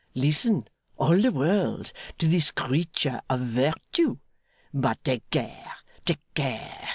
Listen, all the world, to this creature of Virtue! But take care, take care.